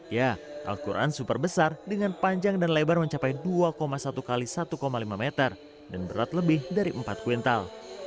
ya al quran super besar dengan panjang dan lebar mencapai dua satu x satu lima meter dan berat lebih dari empat kuintal